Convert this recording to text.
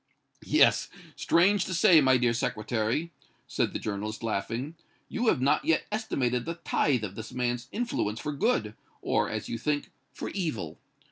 "Yet, strange to say, my dear Secretary," said the journalist, laughing, "you have not yet estimated the tithe of this man's influence for good, or, as you think, for evil.